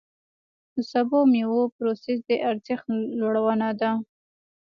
د سبو او مېوو پروسس د ارزښت لوړونه ده.